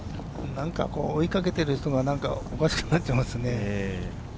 追いかけている人がおかしくなっちゃいますね。